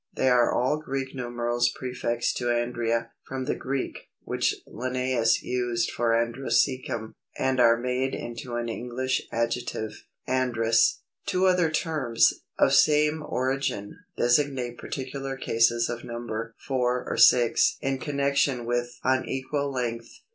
They are all Greek numerals prefixed to _ andria_ (from the Greek), which Linnæus used for andrœcium, and are made into an English adjective, _ androus_. Two other terms, of same origin, designate particular cases of number (four or six) in connection with unequal length.